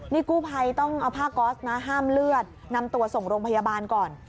นี่กู้ภัยต้องเอาผ้าก๊อสนะห้ามเลือดนำตัวส่งโรงพยาบาลก่อน